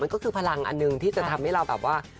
ก็คือพลังอันหนึ่งที่จะทำให้เราแบบว่า